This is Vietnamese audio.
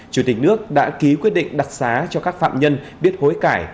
chủ tịch nước đã ký quyết định đặc xá cho các phạm nhân biết hối cải